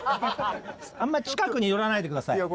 あんまり近くに寄らないでください。